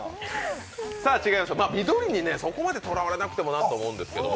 緑にそこまでとらわれなくてもいいかなと思うんですけど。